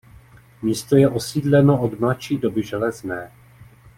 Místo je osídleno od mladší doby železné.